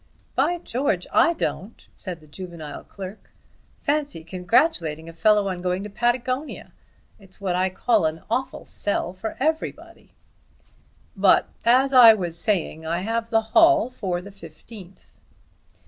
"By George I don't," said the juvenile clerk. "Fancy congratulating a fellow on going to Patagonia! It's what I call an awful sell for everybody." "But as I was saying I have the hall for the fifteenth."